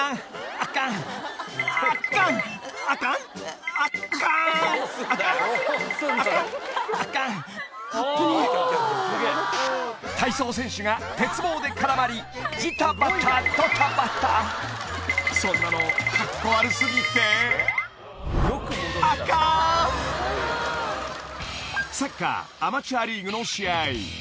アカンアカーンアカンアカンアカン体操選手が鉄棒で絡まりそんなのカッコ悪すぎてサッカーアマチュアリーグの試合